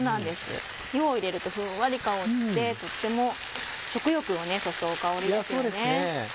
量を入れるとふんわり香ってとっても食欲をそそる香りですよね。